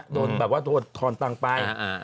โดนแบบว่าโดนทอนตังไป